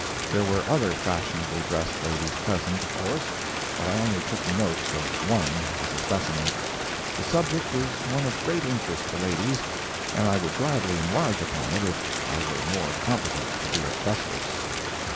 There were other fashionably dressed ladies present, of course, but I only took notes of one, as a specimen. The subject is one of great interest to ladies, and I would gladly enlarge upon it if I were more competent to do it justice.